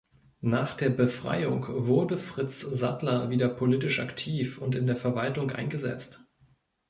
Nach der Befreiung wurde Fritz Sattler wieder politisch aktiv und in der Verwaltung eingesetzt.